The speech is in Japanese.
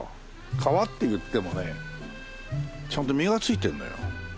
「かわ」っていってもねちゃんと身がついてるのよ。